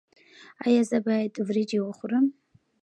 ایا زه باید وریجې وخورم؟